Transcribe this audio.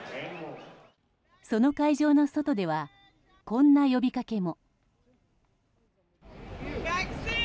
その会場の外ではこんな呼びかけも。